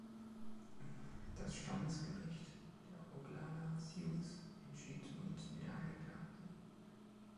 Das Stammesgericht der Oglala-Sioux entschied zu Gunsten der Angeklagten.